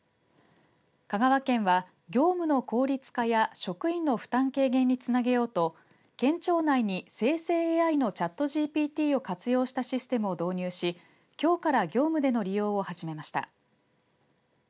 香川県は業務の効率化や職員の負担軽減につなげようと県庁内に生成ＡＩのチャットＧＰＴを活用したシステムを導入し、きょうから業務での利用を始めました。